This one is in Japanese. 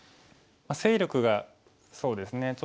勢力がそうですね